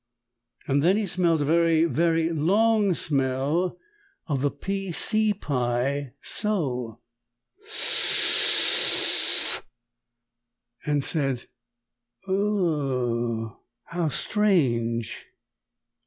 Then he smelled a very, very long smell of the P. C. pie so and said, "O o o o o oh! How strange!"